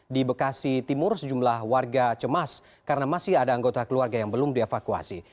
di bekasi timur sejumlah warga cemas karena masih ada anggota keluarga yang belum dievakuasi